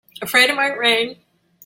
Afraid it might rain?